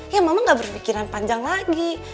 ya mama gak berpikiran panjang lagi